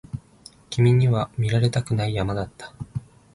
君には見られたくない山だった